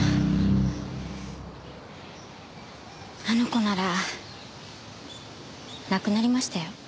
あの子なら亡くなりましたよ。